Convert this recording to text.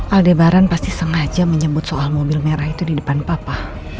aldebaran pasti sengaja menyebut soal mobil merah itu di depan papa